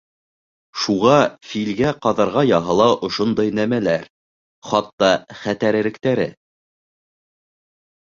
Шуға филгә ҡаҙарға яһала ошондай нәмәләр, хатта хәтәрерәктәре...